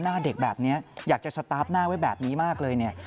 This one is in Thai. หน้าเด็กแบบนี้อยากจะสตาปหน้าเว้ยแบบนี้มากเลย